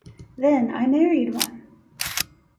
Then I married one!